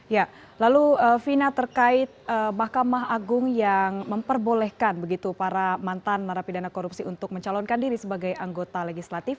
ya lalu vina terkait mahkamah agung yang memperbolehkan begitu para mantan narapidana korupsi untuk mencalonkan diri sebagai anggota legislatif